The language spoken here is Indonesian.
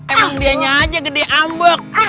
emang dianya aja gede ambok